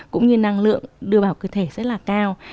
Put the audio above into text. cũng như năng lượng đưa vào cơ thể rất là cao